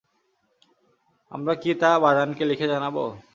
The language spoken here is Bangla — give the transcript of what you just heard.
আমরা কি তা বাযানকে লিখে জানাব?